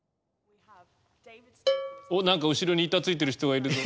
おっ何か後ろに板ついてる人がいるぞ。